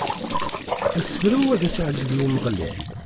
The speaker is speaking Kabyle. Asefru-w ad as-iɛǧeb i Umeɣlal.